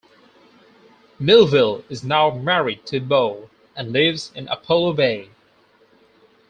Melville is now married to Bo, and lives in Apollo Bay.